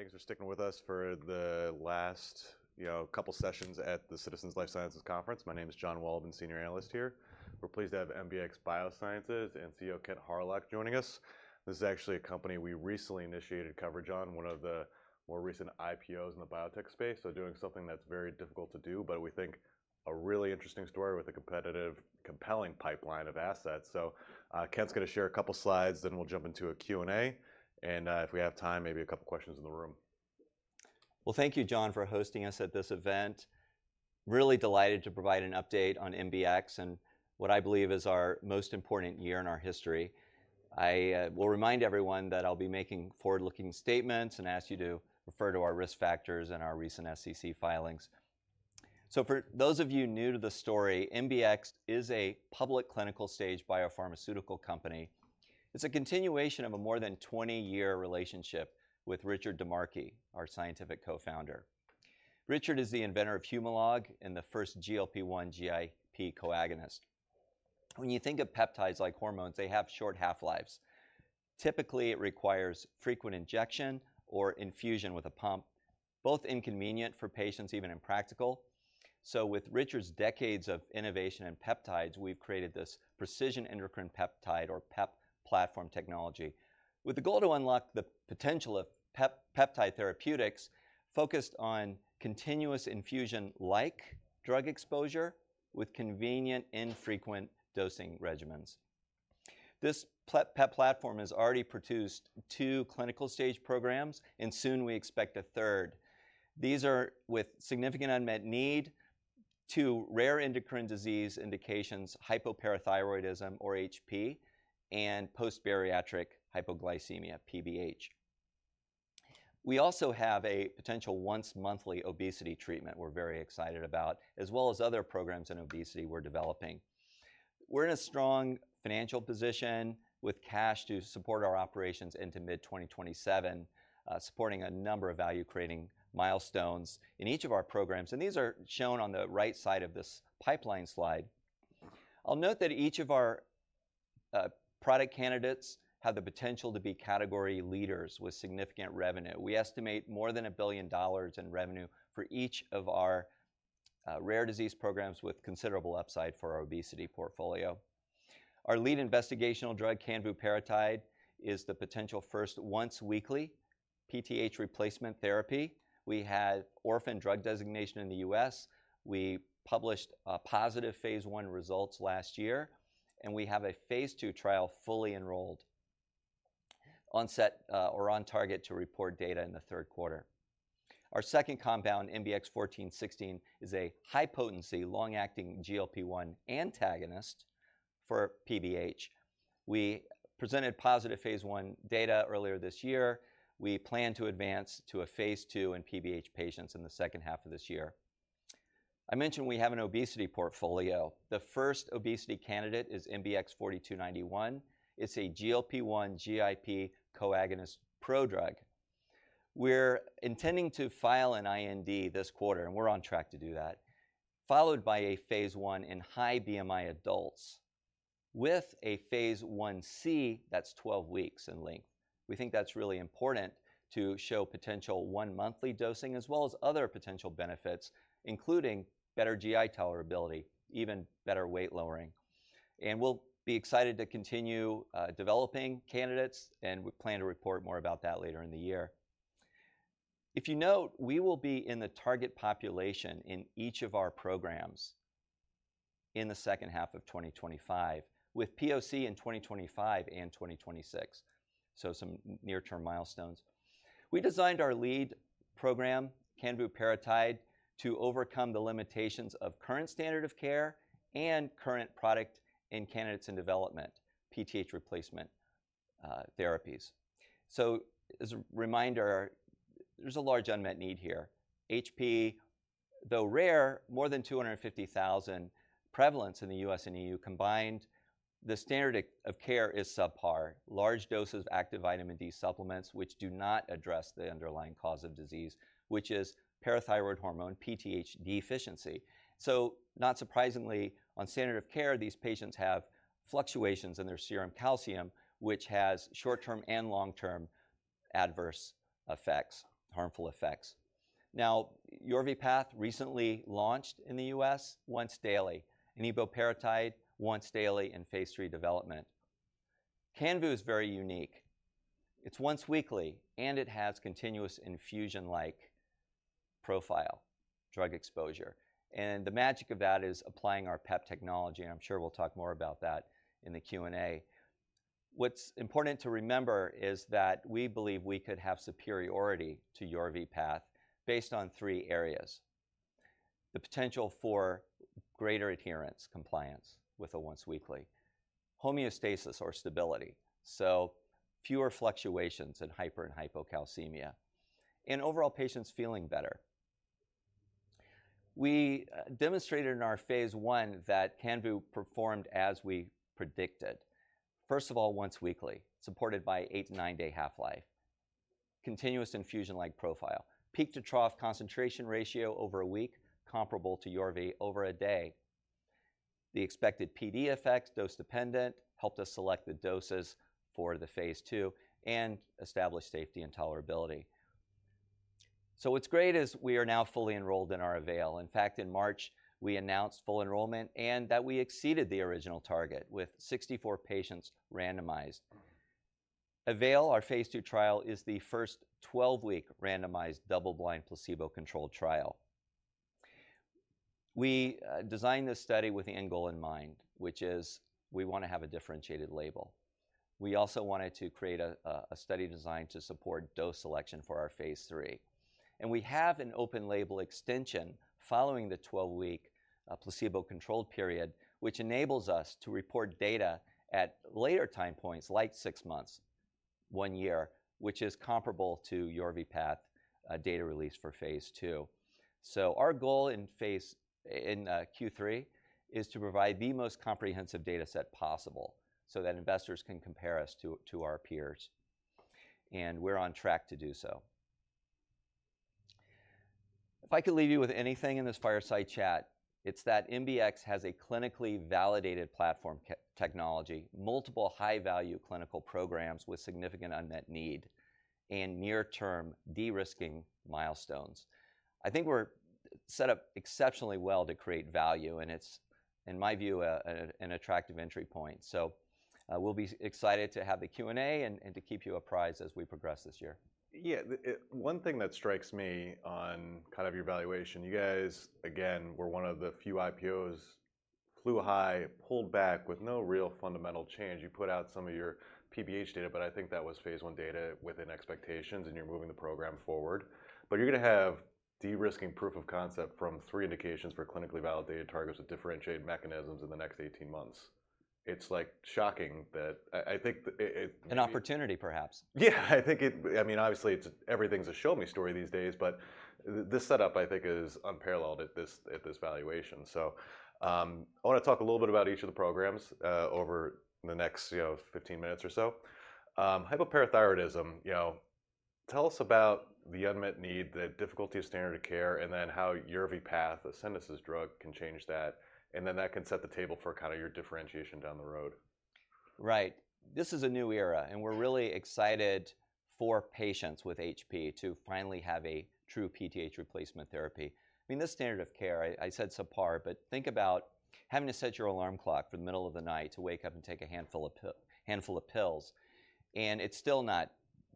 Thanks for sticking with us for the last couple of sessions at the Citizens Life Sciences Conference. My name is John Waldman, Senior Analyst here. We're pleased to have MBX Biosciences and CEO Kent Hawryluk joining us. This is actually a company we recently initiated coverage on, one of the more recent IPOs in the biotech space. Doing something that's very difficult to do, but we think a really interesting story with a competitive, compelling pipeline of assets. Kent's going to share a couple of slides, then we'll jump into a Q&A. If we have time, maybe a couple of questions in the room. Thank you, John, for hosting us at this event. Really delighted to provide an update on MBX and what I believe is our most important year in our history. I will remind everyone that I'll be making forward-looking statements and ask you to refer to our risk factors and our recent SEC filings. For those of you new to the story, MBX is a public clinical stage biopharmaceutical company. It's a continuation of a more than 20-year relationship with Richard DiMarchi, our scientific co-founder. Richard is the inventor of Humalog and the first GLP-1/GIP coagonist. When you think of peptides like hormones, they have short half-lives. Typically, it requires frequent injection or infusion with a pump, both inconvenient for patients, even impractical. With Richard's decades of innovation in peptides, we've created this precision endocrine peptide or PEP platform technology with the goal to unlock the potential of peptide therapeutics focused on continuous infusion-like drug exposure with convenient, infrequent dosing regimens. This PEP platform has already produced two clinical stage programs, and soon we expect a third. These are with significant unmet need, two rare endocrine disease indications, hypoparathyroidism or HP, and post-bariatric hypoglycemia, PBH. We also have a potential once-monthly obesity treatment we're very excited about, as well as other programs in obesity we're developing. We're in a strong financial position with cash to support our operations into mid-2027, supporting a number of value-creating milestones in each of our programs. These are shown on the right side of this pipeline slide. I'll note that each of our product candidates have the potential to be category leaders with significant revenue. We estimate more than $1 billion in revenue for each of our rare disease programs with considerable upside for our obesity portfolio. Our lead investigational drug, Canvuparatide, is the potential first once-weekly PTH replacement therapy. We had orphan drug designation in the U.S. We published positive phase one results last year, and we have a phase two trial fully enrolled on set or on target to report data in the third quarter. Our second compound, MBX 1416, is a high-potency, long-acting GLP-1 antagonist for PBH. We presented positive phase one data earlier this year. We plan to advance to a phase two in PBH patients in the second half of this year. I mentioned we have an obesity portfolio. The first obesity candidate is MBX 4291. It's a GLP-1/GIP co-agonist prodrug. We're intending to file an IND this quarter, and we're on track to do that, followed by a phase one in high BMI adults with a phase 1C that's 12 weeks in length. We think that's really important to show potential once-monthly dosing, as well as other potential benefits, including better GI tolerability, even better weight lowering. We will be excited to continue developing candidates, and we plan to report more about that later in the year. If you note, we will be in the target population in each of our programs in the second half of 2025, with POC in 2025 and 2026, so some near-term milestones. We designed our lead program, Canvuparatide, to overcome the limitations of current standard of care and current product and candidates in development, PTH replacement therapies. As a reminder, there's a large unmet need here. HP, though rare, more than 250,000 prevalence in the U.S. and EU combined. The standard of care is subpar. Large doses of active vitamin D supplements, which do not address the underlying cause of disease, which is parathyroid hormone, PTH deficiency. Not surprisingly, on standard of care, these patients have fluctuations in their serum calcium, which has short-term and long-term adverse effects, harmful effects. Yorvipath recently launched in the U.S. once daily, and Canvuparatide once daily in phase three development. Canvuparatide is very unique. It is once weekly, and it has continuous infusion-like profile drug exposure. The magic of that is applying our PEP technology, and I'm sure we'll talk more about that in the Q&A. What's important to remember is that we believe we could have superiority to Yorvipath based on three areas: the potential for greater adherence, compliance with a once-weekly, homeostasis or stability, so fewer fluctuations in hyper and hypocalcemia, and overall patients feeling better. We demonstrated in our phase one that Canvuparatide performed as we predicted. First of all, once weekly, supported by eight to nine-day half-life, continuous infusion-like profile, peak to trough concentration ratio over a week, comparable to Yorvipath over a day. The expected PD effect, dose-dependent, helped us select the doses for the phase two and established safety and tolerability. What's great is we are now fully enrolled in our AVEIL. In fact, in March, we announced full enrollment and that we exceeded the original target with 64 patients randomized. AVEIL, our phase two trial, is the first 12-week randomized double-blind placebo-controlled trial. We designed this study with the end goal in mind, which is we want to have a differentiated label. We also wanted to create a study designed to support dose selection for our phase three. We have an open-label extension following the 12-week placebo-controlled period, which enables us to report data at later time points like six months, one year, which is comparable to Yorvipath data release for phase two. Our goal in phase in Q3 is to provide the most comprehensive data set possible so that investors can compare us to our peers. We're on track to do so. If I could leave you with anything in this fireside chat, it's that MBX has a clinically validated platform technology, multiple high-value clinical programs with significant unmet need, and near-term de-risking milestones. I think we're set up exceptionally well to create value, and it's, in my view, an attractive entry point. We'll be excited to have the Q&A and to keep you apprised as we progress this year. Yeah. One thing that strikes me on kind of your evaluation, you guys, again, were one of the few IPOs that flew high, pulled back with no real fundamental change. You put out some of your PBH data, but I think that was phase one data within expectations, and you're moving the program forward. You're going to have de-risking proof of concept from three indications for clinically validated targets with differentiated mechanisms in the next 18 months. It's like shocking that I think. An opportunity, perhaps. Yeah. I think, I mean, obviously, everything's a show-me story these days, but this setup, I think, is unparalleled at this valuation. I want to talk a little bit about each of the programs over the next 15 minutes or so. Hypoparathyroidism, tell us about the unmet need, the difficulty of standard of care, and then how Yorvipath, Ascendis drug, can change that. That can set the table for kind of your differentiation down the road. Right. This is a new era, and we're really excited for patients with HP to finally have a true PTH replacement therapy. I mean, this standard of care, I said subpar, but think about having to set your alarm clock for the middle of the night to wake up and take a handful of pills. And it's still not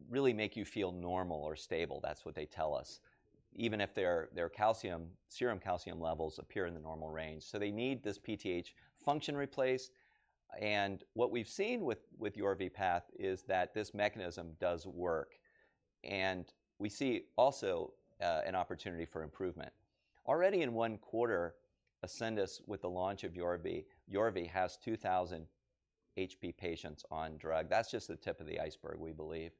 really making you feel normal or stable. That's what they tell us. Even if their serum calcium levels appear in the normal range. So they need this PTH function replaced. What we've seen with Yorvipath is that this mechanism does work. We see also an opportunity for improvement. Already in one quarter, Ascendis, with the launch of Yorvipath, has 2,000 HP patients on drug. That's just the tip of the iceberg, we believe,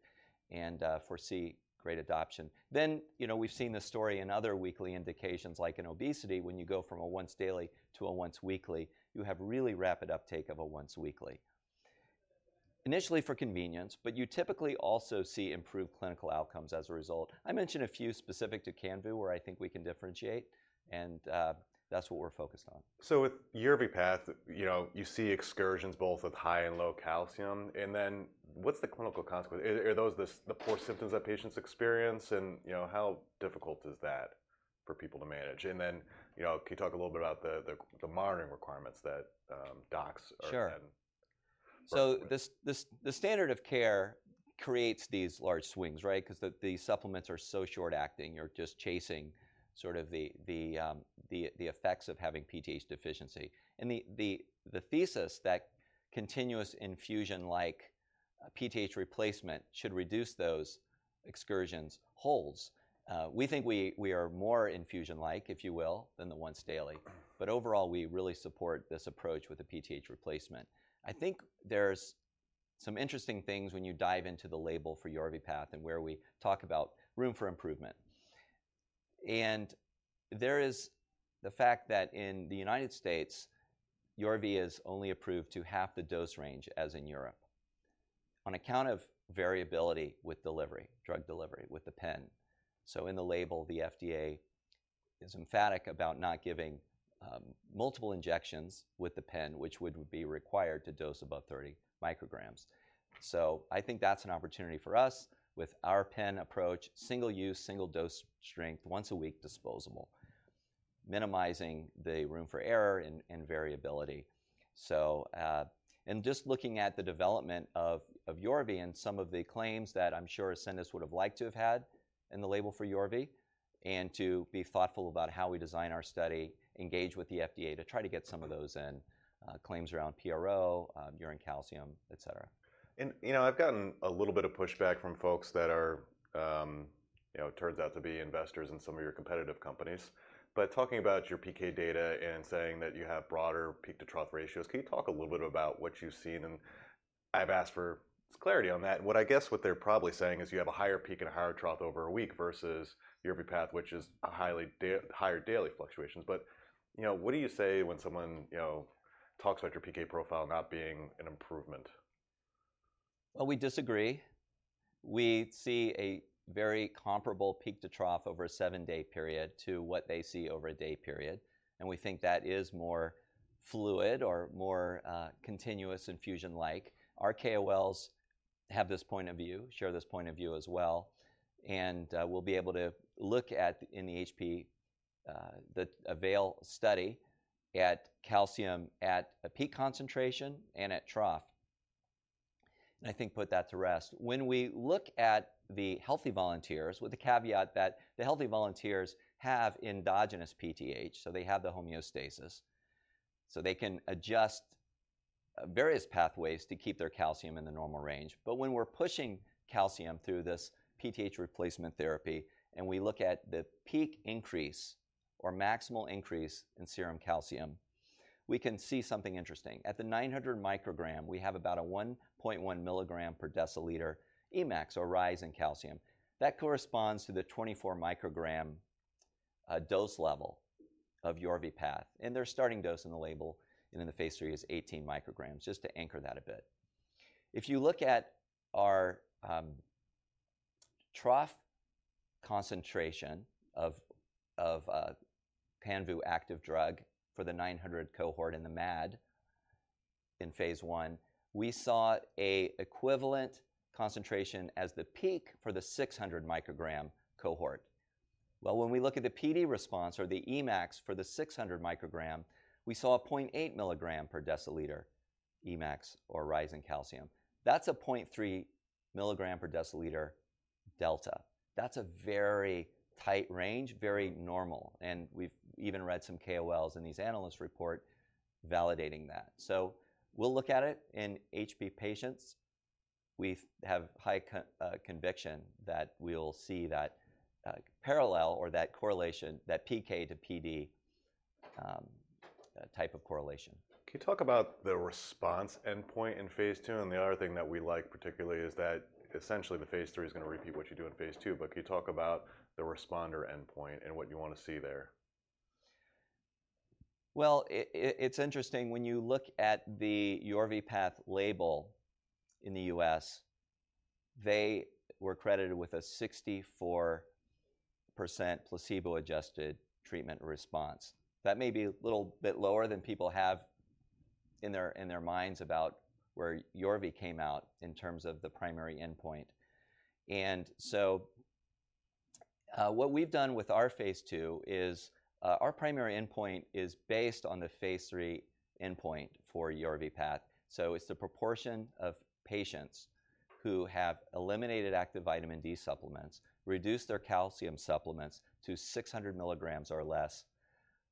and foresee great adoption. We have seen this story in other weekly indications like in obesity. When you go from a once daily to a once weekly, you have really rapid uptake of a once weekly. Initially for convenience, but you typically also see improved clinical outcomes as a result. I mentioned a few specific to Canvuparatide where I think we can differentiate, and that's what we're focused on. With Yorvipath, you see excursions both with high and low calcium. What's the clinical consequence? Are those the poor symptoms that patients experience? How difficult is that for people to manage? Can you talk a little bit about the monitoring requirements that docs are setting? Sure. The standard of care creates these large swings, right? Because the supplements are so short-acting, you're just chasing sort of the effects of having PTH deficiency. The thesis that continuous infusion-like PTH replacement should reduce those excursions holds. We think we are more infusion-like, if you will, than the once daily. Overall, we really support this approach with the PTH replacement. I think there's some interesting things when you dive into the label for Yorvipath and where we talk about room for improvement. There is the fact that in the United States, Yorvipath is only approved to half the dose range as in Europe on account of variability with drug delivery with the pen. In the label, the FDA is emphatic about not giving multiple injections with the pen, which would be required to dose above 30 mcg. I think that's an opportunity for us with our pen approach, single use, single dose strength, once a week disposable, minimizing the room for error and variability. Just looking at the development of Yorvipath and some of the claims that I'm sure Ascendis would have liked to have had in the label for Yorvipath and to be thoughtful about how we design our study, engage with the FDA to try to get some of those in claims around PRO, urine calcium, et cetera. I've gotten a little bit of pushback from folks that turns out to be investors in some of your competitive companies. Talking about your PK data and saying that you have broader peak to trough ratios, can you talk a little bit about what you've seen? I've asked for clarity on that. What I guess what they're probably saying is you have a higher peak and a higher trough over a week versus Yorvipath, which is higher daily fluctuations. What do you say when someone talks about your PK profile not being an improvement? We disagree. We see a very comparable peak to trough over a seven-day period to what they see over a day period. We think that is more fluid or more continuous infusion-like. Our KOLs have this point of view, share this point of view as well. We will be able to look at in the HP, the AVEIL study at calcium at a peak concentration and at trough, and I think put that to rest. When we look at the healthy volunteers, with the caveat that the healthy volunteers have endogenous PTH, so they have the homeostasis, so they can adjust various pathways to keep their calcium in the normal range. When we are pushing calcium through this PTH replacement therapy and we look at the peak increase or maximal increase in serum calcium, we can see something interesting. At the 900 mcg, we have about a 1.1 mg per deciliter EMAX or rise in calcium. That corresponds to the 24 mcg dose level of Yorvipath. Their starting dose in the label and in the phase three is 18 mcg, just to anchor that a bit. If you look at our trough concentration of Canvuparatide active drug for the 900 cohort in the MAD in phase one, we saw an equivalent concentration as the peak for the 600 mcg cohort. When we look at the PD response or the EMAX for the 600 mcg, we saw a 0.8 mg per deciliter EMAX or rise in calcium. That is a 0.3 mg per deciliter delta. That is a very tight range, very normal. We have even read some KOLs in these analysts' report validating that. We will look at it in HP patients. We have high conviction that we'll see that parallel or that correlation, that PK to PD type of correlation. Can you talk about the response endpoint in phase two? The other thing that we like particularly is that essentially the phase three is going to repeat what you do in phase two. Can you talk about the responder endpoint and what you want to see there? It's interesting. When you look at the Yorvipath label in the U.S., they were credited with a 64% placebo-adjusted treatment response. That may be a little bit lower than people have in their minds about where Yorvipath came out in terms of the primary endpoint. What we've done with our phase two is our primary endpoint is based on the phase three endpoint for Yorvipath. It's the proportion of patients who have eliminated active vitamin D supplements, reduced their calcium supplements to 600 mg or less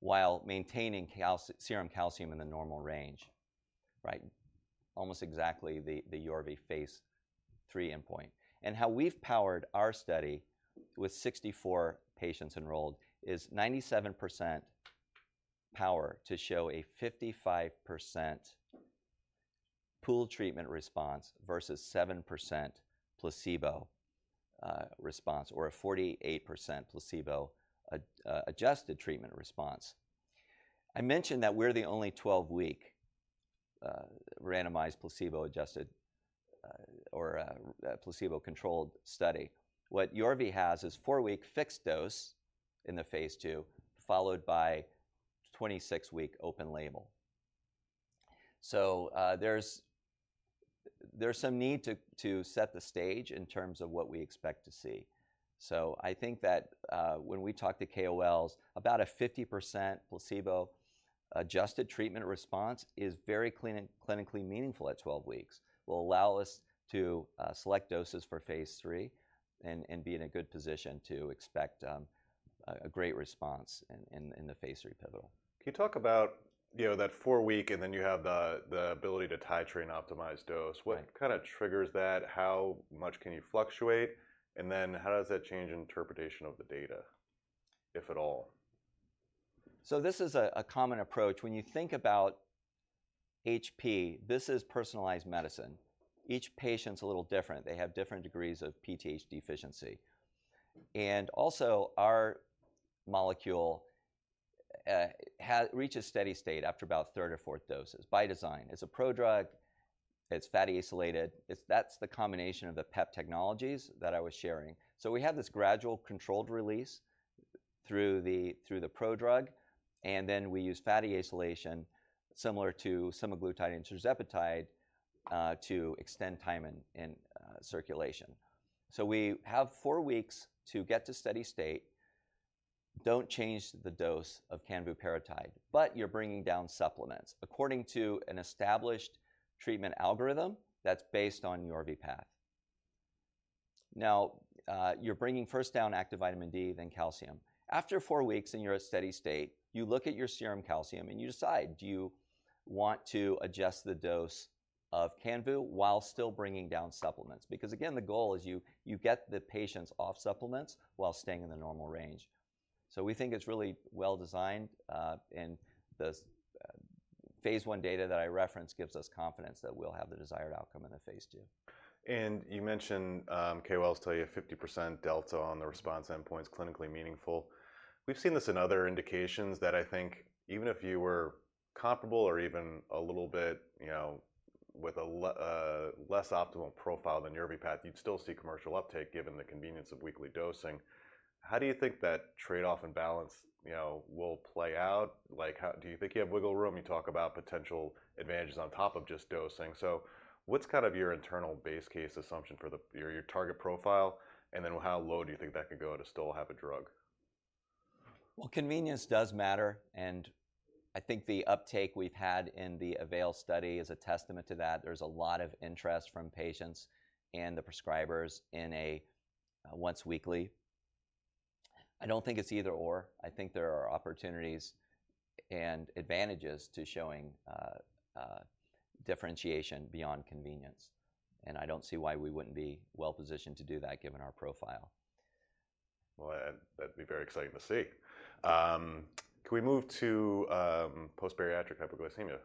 while maintaining serum calcium in the normal range, right? Almost exactly the Yorvipath phase three endpoint. How we've powered our study with 64 patients enrolled is 97% power to show a 55% pool treatment response versus 7% placebo response or a 48% placebo-adjusted treatment response. I mentioned that we're the only 12-week randomized placebo-adjusted or placebo-controlled study. What Yorvipath has is four-week fixed dose in the phase two followed by 26-week open label. There is some need to set the stage in terms of what we expect to see. I think that when we talk to KOLs, about a 50% placebo-adjusted treatment response is very clinically meaningful at 12 weeks. It will allow us to select doses for phase three and be in a good position to expect a great response in the phase three pivotal. Can you talk about that four-week and then you have the ability to titrate and optimize dose? What kind of triggers that? How much can you fluctuate? How does that change interpretation of the data, if at all? This is a common approach. When you think about HP, this is personalized medicine. Each patient's a little different. They have different degrees of PTH deficiency. Also, our molecule reaches steady state after about third or fourth doses by design. It's a prodrug. It's fatty acylated. That's the combination of the PEP technologies that I was sharing. We have this gradual controlled release through the prodrug. We use fatty acylation similar to semaglutide and Tirzepatide to extend time in circulation. We have four weeks to get to steady state. Don't change the dose of Canvuparatide, but you're bringing down supplements according to an established treatment algorithm that's based on Yorvipath. Now, you're bringing first down active vitamin D, then calcium. After four weeks, and you're at steady state, you look at your serum calcium and you decide, do you want to adjust the dose of Canvuparatide while still bringing down supplements? Because again, the goal is you get the patients off supplements while staying in the normal range. We think it's really well designed. The phase one data that I referenced gives us confidence that we'll have the desired outcome in the phase two. You mentioned KOLs tell you 50% delta on the response endpoint is clinically meaningful. We've seen this in other indications that I think even if you were comparable or even a little bit with a less optimal profile than Yorvipath, you'd still see commercial uptake given the convenience of weekly dosing. How do you think that trade-off and balance will play out? Do you think you have wiggle room? You talk about potential advantages on top of just dosing. What's kind of your internal base case assumption for your target profile? How low do you think that could go to still have a drug? Convenience does matter. I think the uptake we've had in the AVEIL study is a testament to that. There's a lot of interest from patients and the prescribers in a once weekly. I don't think it's either/or. I think there are opportunities and advantages to showing differentiation beyond convenience. I don't see why we wouldn't be well positioned to do that given our profile. That'd be very exciting to see. Can we move to post-bariatric hypoglycemia?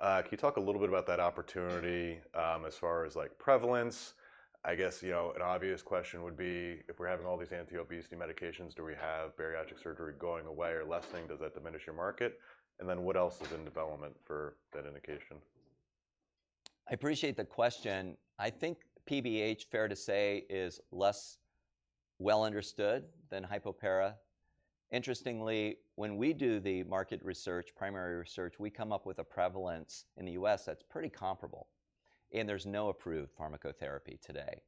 Can you talk a little bit about that opportunity as far as prevalence? I guess an obvious question would be if we're having all these anti-obesity medications, do we have bariatric surgery going away or lessening? Does that diminish your market? What else is in development for that indication? I appreciate the question. I think PBH, fair to say, is less well understood than hypopara. Interestingly, when we do the market research, primary research, we come up with a prevalence in the U.S. that's pretty comparable. There's no approved pharmacotherapy today.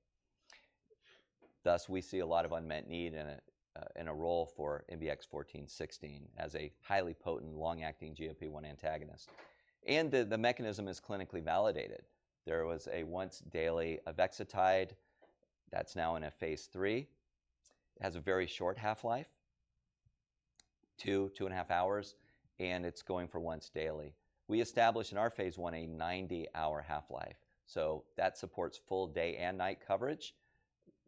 Thus, we see a lot of unmet need and a role for MBX 1416 as a highly potent long-acting GLP-1 antagonist. The mechanism is clinically validated. There was a once-daily Avexitide that's now in a phase three. It has a very short half-life, two, two and a half hours, and it's going for once-daily. We established in our phase one a 90-hour half-life. That supports full day and night coverage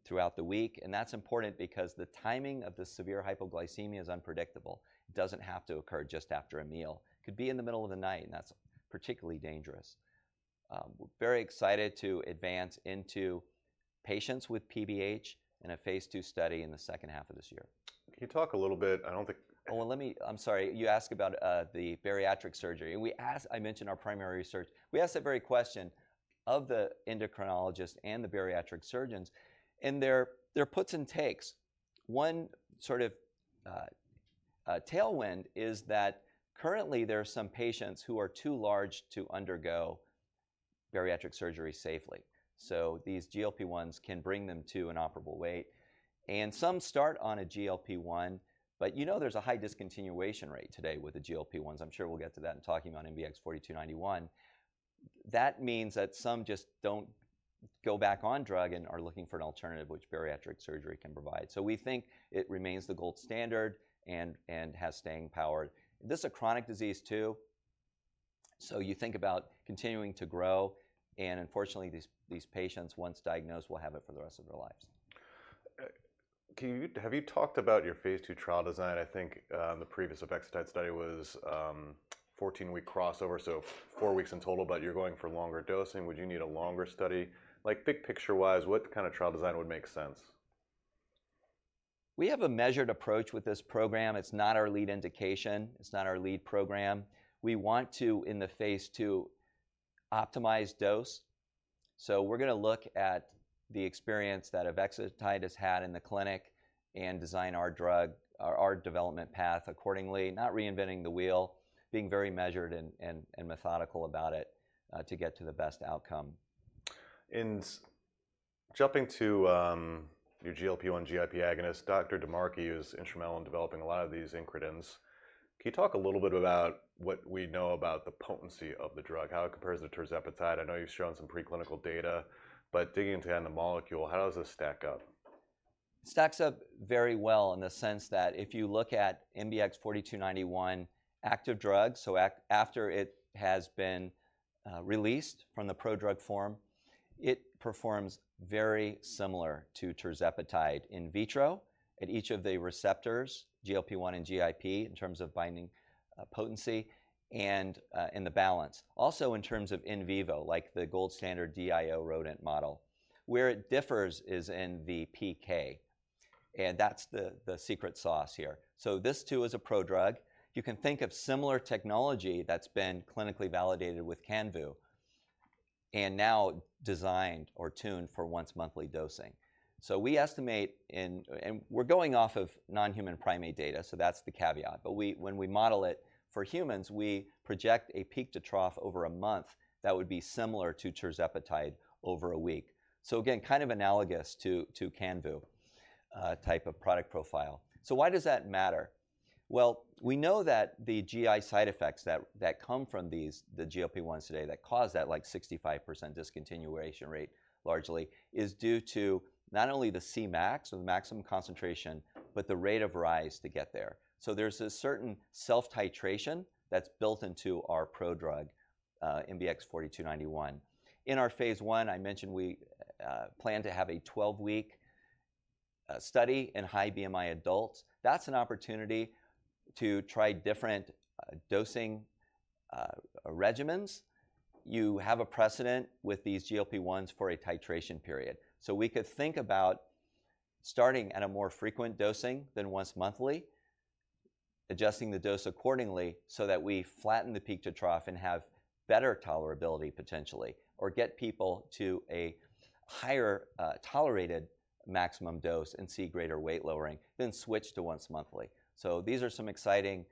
throughout the week. That's important because the timing of the severe hypoglycemia is unpredictable. It doesn't have to occur just after a meal. It could be in the middle of the night, and that's particularly dangerous. We're very excited to advance into patients with PBH in a phase two study in the second half of this year. Can you talk a little bit? I don't think. I'm sorry. You asked about the bariatric surgery. I mentioned our primary research. We asked a very question of the endocrinologists and the bariatric surgeons. There are puts and takes. One sort of tailwind is that currently there are some patients who are too large to undergo bariatric surgery safely. These GLP-1s can bring them to an operable weight. Some start on a GLP-1, but you know there's a high discontinuation rate today with the GLP-1s. I'm sure we'll get to that in talking about MBX 4291. That means that some just don't go back on drug and are looking for an alternative, which bariatric surgery can provide. We think it remains the gold standard and has staying power. This is a chronic disease too. You think about continuing to grow. Unfortunately, these patients, once diagnosed, will have it for the rest of their lives. Have you talked about your phase two trial design? I think the previous Avexitide study was 14-week crossover, so four weeks in total, but you're going for longer dosing. Would you need a longer study? Like big picture-wise, what kind of trial design would make sense? We have a measured approach with this program. It's not our lead indication. It's not our lead program. We want to, in the phase two, optimize dose. So we're going to look at the experience that Avexitide has had in the clinic and design our drug or our development path accordingly, not reinventing the wheel, being very measured and methodical about it to get to the best outcome. Jumping to your GLP-1, GIP agonist, Dr. DiMarchi is instrumental in developing a lot of these incretins. Can you talk a little bit about what we know about the potency of the drug, how it compares to Tirzepatide? I know you've shown some preclinical data, but digging into the molecule, how does this stack up? Stacks up very well in the sense that if you look at MBX 4291 active drug, so after it has been released from the prodrug form, it performs very similar to Tirzepatide in vitro at each of the receptors, GLP-1 and GIP, in terms of binding potency and in the balance. Also in terms of in vivo, like the gold standard DIO rodent model. Where it differs is in the PK. That is the secret sauce here. This too is a prodrug. You can think of similar technology that has been clinically validated with Canvu and now designed or tuned for once monthly dosing. We estimate, and we are going off of non-human primate data, so that is the caveat. When we model it for humans, we project a peak to trough over a month that would be similar to Tirzepatide over a week. Again, kind of analogous to Canvuparatide type of product profile. Why does that matter? We know that the GI side effects that come from the GLP-1s today that cause that like 65% discontinuation rate largely is due to not only the CMAX or the maximum concentration, but the rate of rise to get there. There is a certain self-titration that's built into our prodrug, MBX 4291. In our phase one, I mentioned we plan to have a 12-week study in high BMI adults. That's an opportunity to try different dosing regimens. You have a precedent with these GLP-1s for a titration period. We could think about starting at a more frequent dosing than once monthly, adjusting the dose accordingly so that we flatten the peak to trough and have better tolerability potentially, or get people to a higher tolerated maximum dose and see greater weight lowering, then switch to once monthly. These are some exciting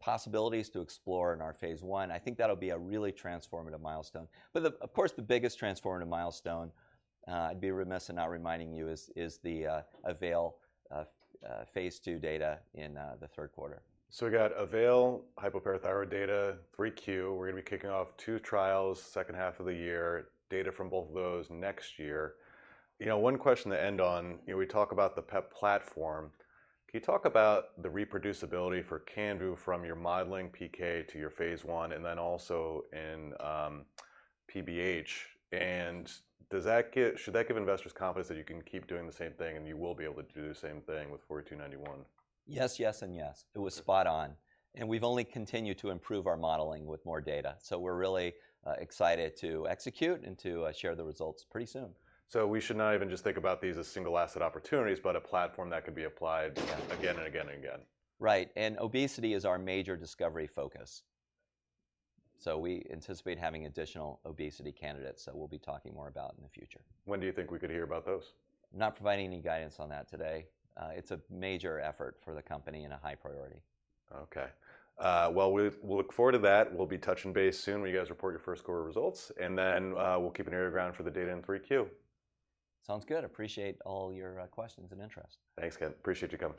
possibilities to explore in our phase one. I think that'll be a really transformative milestone. Of course, the biggest transformative milestone, I'd be remiss in not reminding you, is the AVEIL phase two data in the third quarter. We got AVEIL, hypoparathyroid data, 3Q. We're going to be kicking off two trials second half of the year, data from both of those next year. One question to end on, we talk about the PEP platform. Can you talk about the reproducibility for Canvu from your modeling PK to your phase one and then also in PBH? And should that give investors confidence that you can keep doing the same thing and you will be able to do the same thing with 4291? Yes, yes, and yes. It was spot on. We've only continued to improve our modeling with more data. We're really excited to execute and to share the results pretty soon. We should not even just think about these as single asset opportunities, but a platform that could be applied again and again and again. Right. Obesity is our major discovery focus. We anticipate having additional obesity candidates that we'll be talking more about in the future. When do you think we could hear about those? I'm not providing any guidance on that today. It's a major effort for the company and a high priority. Okay. We'll look forward to that. We'll be touching base soon when you guys report your first quarter results. We'll keep an ear to the ground for the data in 3Q. Sounds good. Appreciate all your questions and interest. Thanks, Kent. Appreciate you coming.